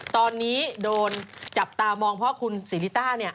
ตอนนี้โดนจับตามองเพราะว่าคุณศรีลิตร้า